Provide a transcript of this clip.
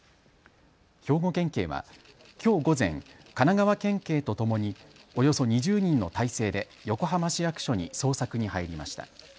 兵庫県警はきょう午前、神奈川県警とともにおよそ２０人の態勢で横浜市役所に捜索に入りました。